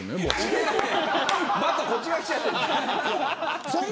バットがこっち側きちゃってるじゃん。